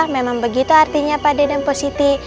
memang begitu artinya pak de dan upositi